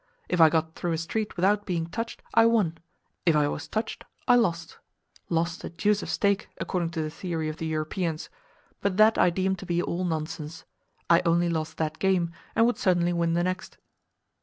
If I got through a street without being touched, I won; if I was touched, I lost—lost a deuce of stake, according to the theory of the Europeans; but that I deemed to be all nonsense—I only lost that game, and would certainly win the next.